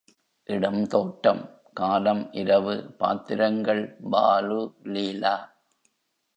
இடம் தோட்டம் காலம் இரவு பாத்திரங்கள் பாலு, லீலா.